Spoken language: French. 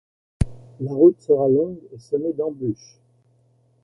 La route sera longue et semée d'embûches.